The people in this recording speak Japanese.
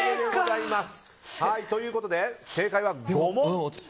ということで正解は５問。